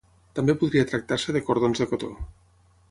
També podria tractar-se de cordons de cotó.